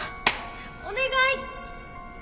お願い！